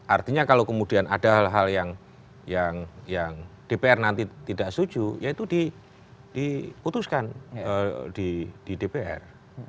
artinya kalau kemudian ada hal hal yang dpr nanti tidak setuju ya itu diputuskan di dpr